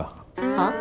はっ？